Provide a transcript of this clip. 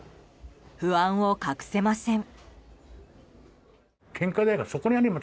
不安を隠せません。